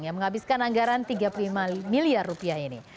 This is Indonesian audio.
yang menghabiskan anggaran tiga puluh lima miliar rupiah ini